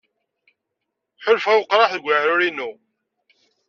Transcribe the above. Ḥulfaɣ i weqraḥ deg weɛrur-inu.